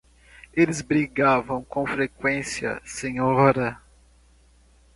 Eles brigavam com frequência, senhora?